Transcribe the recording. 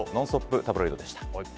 タブロイドでした。